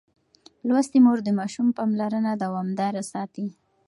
لوستې مور د ماشوم پاملرنه دوامداره ساتي.